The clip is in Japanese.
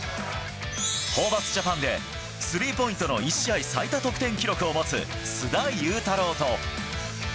ホーバスジャパンでスリーポイントの１試合最多得点記録を持つ須田侑太郎と。